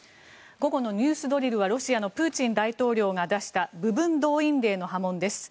午後のＮＥＷＳドリルはロシアのプーチン大統領が出した部分動員令の波紋です。